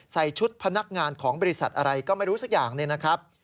ใส่ชุดพนักงานของบริษัทอะไรก็ไม่รู้สักอย่างเนี่ยนะครับ